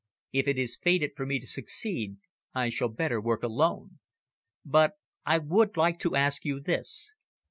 "If it is fated for me to succeed, I shall work better alone. But I would like to ask you this.